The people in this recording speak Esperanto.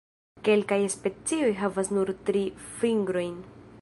Kelkaj specioj havas nur tri fingrojn.